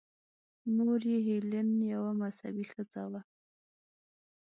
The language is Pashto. مور یې هیلین یوه مذهبي ښځه وه.